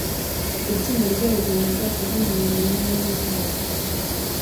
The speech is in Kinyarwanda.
Itsinda ryabagabo mubwato bwumuhondo hamwe nimbwa zabo